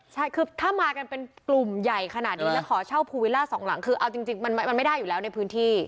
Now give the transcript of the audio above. ใช่คือถ้ามากันเป็นกลุ่มใหญ่ขนาดนี้แล้วขอเช่าภูวิลล่าสองหลังคือเอาจริงมันไม่ได้อยู่แล้วในพื้นที่